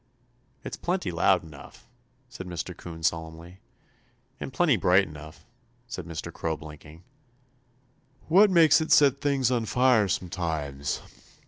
"It's plenty loud enough," said Mr. 'Coon solemnly. "And plenty bright enough," said Mr. Crow, blinking. "What makes it set things on fire sometimes?"